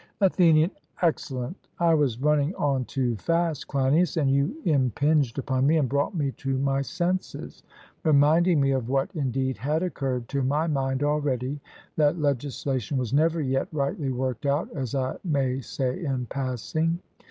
ATHENIAN: Excellent. I was running on too fast, Cleinias, and you impinged upon me, and brought me to my senses, reminding me of what, indeed, had occurred to my mind already, that legislation was never yet rightly worked out, as I may say in passing.